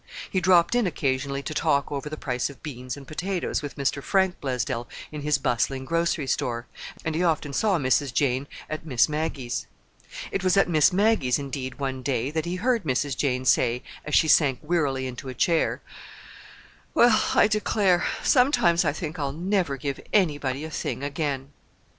He dropped in occasionally to talk over the price of beans and potatoes with Mr. Frank Blaisdell in his bustling grocery store, and he often saw Mrs. Jane at Miss Maggie's. It was at Miss Maggie's, indeed, one day, that he heard Mrs. Jane say, as she sank wearily into a chair:— "Well, I declare! Sometimes I think I'll never give anybody a thing again!"